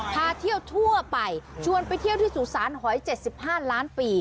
พาเที่ยวทั่วไปชวนไปเที่ยวที่สุสานหอย๗๕ล้านปี